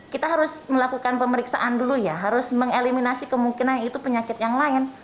kita harus melakukan pemeriksaan dulu ya harus mengeliminasi kemungkinan itu penyakit yang lain